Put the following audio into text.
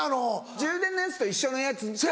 充電のやつと一緒のやつか